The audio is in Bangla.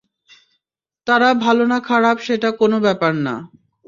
তারা ভাল না খারাপ সেটা কোন ব্যাপার না।